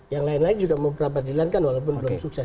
yang lain lain juga memperabadilankan walaupun belum sukses